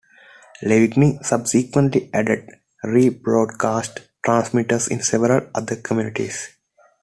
Lavigne subsequently added rebroadcast transmitters in several other communities.